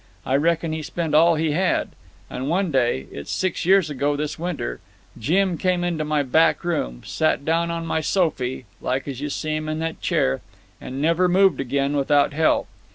I reckon he spent all he had. And one day it's six years ago this winter Jim came into my back room, sat down on my sofy, like as you see him in that chair, and never moved again without help.